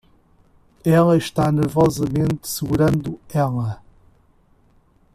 Ela está nervosamente segurando ela